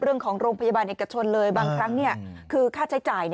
โรงพยาบาลเอกชนเลยบางครั้งคือค่าใช้จ่าย